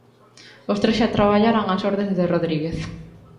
Os tres xa traballaran ás ordes de Rodríguez.